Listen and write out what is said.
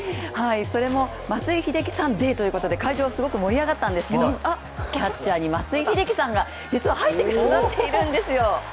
それも松井秀喜さんデーということで会場はすごく盛り上がったんですけどキャッチャーに松井秀喜さんが実は入ってくださっているんですよ。